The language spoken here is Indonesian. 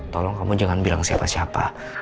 tolong kamu jangan bilang siapa siapa